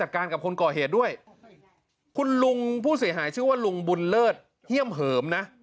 คุณลุงผู้เสียหายชื่อว่าลุงบุญเลิศเหี่ยมเหิมนะ